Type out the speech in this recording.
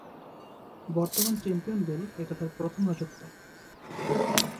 বর্তমান champion Bale এটা তার প্রথম রাজত্ব।